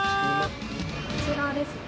こちらですね。